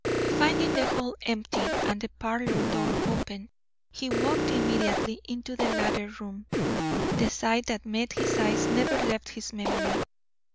Finding the hall empty and the parlour door open he walked immediately into the latter room. The sight that met his eyes never left his memory.